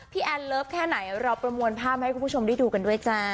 แอนเลิฟแค่ไหนเราประมวลภาพให้คุณผู้ชมได้ดูกันด้วยจ้า